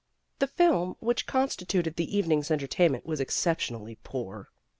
The film which constituted the evening's entertainment was exceptionally poor.